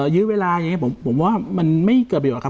ยื้อเวลาอย่างนี้ผมว่ามันไม่เกิดประโยชนครับ